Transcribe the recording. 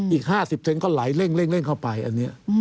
อีก๕๐เซ็นต์ก็ไหลเร่งเข้าไป